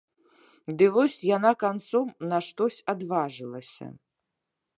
Ды вось яна канцом на штось адважылася.